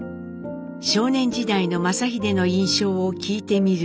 少年時代の正英の印象を聞いてみると。